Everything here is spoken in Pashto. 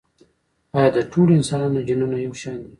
ایا د ټولو انسانانو جینونه یو شان دي؟